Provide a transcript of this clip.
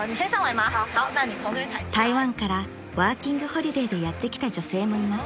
［台湾からワーキングホリデーでやって来た女性もいます］